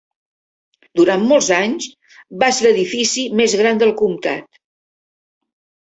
Durant molts anys va ser l'edifici més gran del comptat.